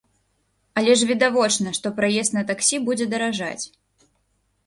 Але ж відавочна, што праезд на таксі будзе даражаць.